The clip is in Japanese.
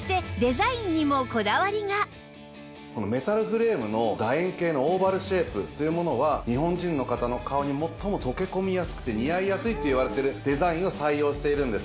そしてメタルフレームの楕円形のオーバルシェイプというものは日本人の方の顔に最も溶け込みやすくて似合いやすいっていわれてるデザインを採用しているんです。